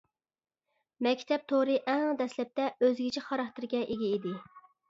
مەكتەپ تورى ئەڭ دەسلەپتە ئۆزگىچە خاراكتېرگە ئىگە ئىدى.